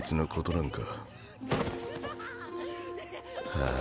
ああ